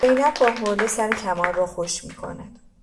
زینب با حوله سر کمال را خشک میکند